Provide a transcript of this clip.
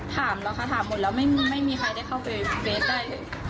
ถามแล้วค่ะถามหมดแล้วไม่มีใครได้เข้าไปเฟสได้เลย